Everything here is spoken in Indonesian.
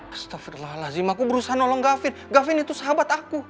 astagfirullahaladzim aku berusaha nolong gavind gavind itu sahabat aku